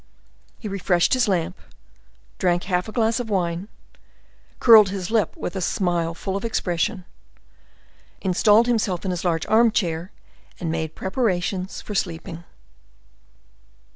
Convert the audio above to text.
He refreshed his lamp, drank half a glass of wine, curled his lip with a smile full of expression, installed himself in his large armchair, and made preparations for sleeping.